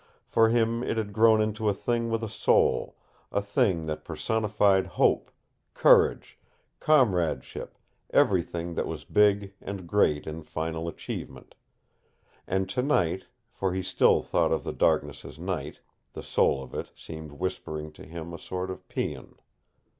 For him it had grown into a thing with a soul, a thing that personified hope, courage, comradeship, everything that was big and great in final achievement. And tonight for he still thought of the darkness as night the soul of it seemed whispering to him a sort of paean.